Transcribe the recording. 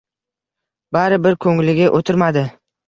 Bari bir koʼngliga oʼtirmadi.